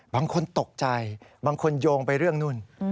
บางคนตกใจบางคนโยงไปเรื่องนู่น